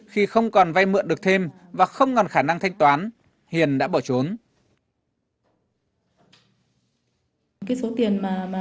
khi không còn vay mượn được thêm và không còn khả năng thanh toán hiền đã bỏ trốn